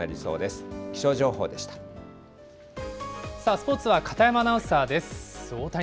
スポーツは片山アナウンサーです。